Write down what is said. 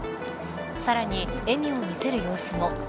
さらに笑みを見せる様子も。